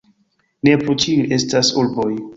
Ne plu ĉiuj estas urboj.